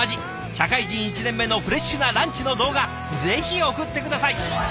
社会人１年目のフレッシュなランチの動画ぜひ送って下さい！